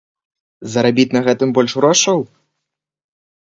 Зарабіць на гэтым больш грошаў?